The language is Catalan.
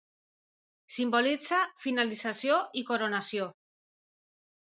Simbolitza finalització i coronació.